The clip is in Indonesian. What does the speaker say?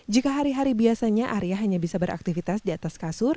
jika hari hari biasanya arya hanya bisa beraktivitas di atas kasur